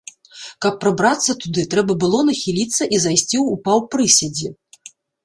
Каб прабрацца туды, трэба было нахіліцца і зайсці ў паўпрыседзе.